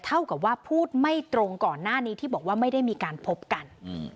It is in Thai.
เท่ากับว่าพูดไม่ตรงก่อนหน้านี้ที่บอกว่าไม่ได้มีการพบกัน